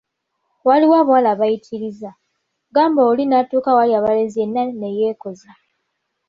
Waliwo abawala abayitiriza, gamba oli n’atuuka awali abalenzi yenna ne yeekoza.